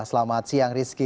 selamat siang rizky